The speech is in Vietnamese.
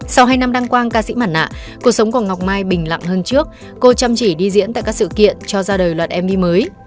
sau hai năm đăng quang ca sĩ mảng nạ cuộc sống của ngọc mai bình lặng hơn trước cô chăm chỉ đi diễn tại các sự kiện cho ra đời loạt my mới